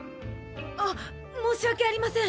あ申し訳ありません。